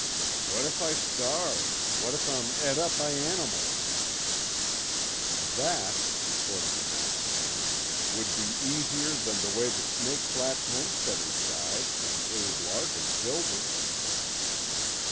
"What if I starve, what if I'm et up by animals?" "That," retorted the masked man, "would be easier than the way the Snake Flats homesteaders died when Abe Larkin killed them."